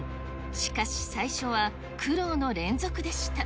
しかし、最初は苦労の連続でした。